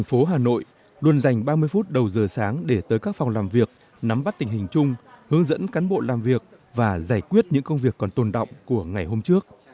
hướng dẫn cán bộ làm việc và giải quyết những công việc còn tồn động của ngày hôm trước